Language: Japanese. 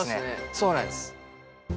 そうなんです。